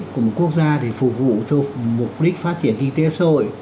của một quốc gia để phục vụ cho mục đích phát triển kinh tế sôi